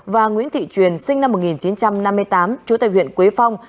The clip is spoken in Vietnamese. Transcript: và nguyễn thị truyền sinh năm một nghìn chín trăm năm mươi tám trú tại huyện quế phong